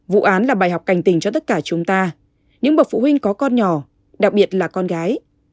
vụ án là bài học cảnh tình cho tất cả chúng ta những bậc phụ huynh có con nhỏ đặc biệt là con gái